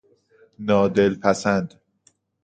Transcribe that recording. نادلپسند